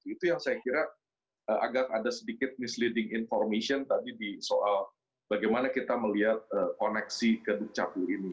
itu yang saya kira agak ada sedikit misleading information tadi di soal bagaimana kita melihat koneksi ke duk caku ini